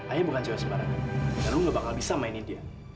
ayah bukan cewek sembarangan dan lo gak bakal bisa mainin dia